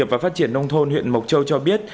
và phát triển nông thôn huyện mộc châu cho biết